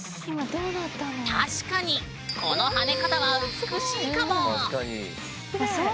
確かにこの跳ね方は美しいかも！いきます。